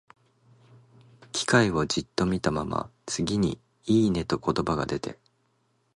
機械をじっと見たまま、次に、「いいね」と言葉が出て、